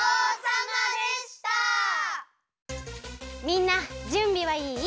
みんなじゅんびはいい？